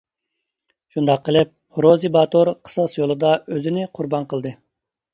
شۇنداق قىلىپ، روزى باتۇر قىساس يولىدا ئۆزىنى قۇربان قىلدى.